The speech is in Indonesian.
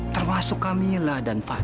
termasuk camilla dan fadil